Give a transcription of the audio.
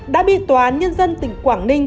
đã bị tòa nhân dân tỉnh quảng ninh